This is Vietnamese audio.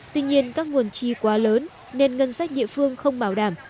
tuy nhiên các nguồn chi quá lớn nên ngân sách địa phương không bảo đảm